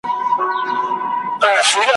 زه چي ماشوم وم په مالت کي به هرچا ویله ,